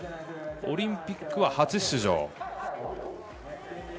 オリンピックは初出場。